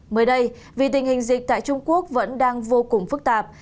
mới đây vì tình hình dịch tại trung quốc vẫn đang vô cùng phức tạp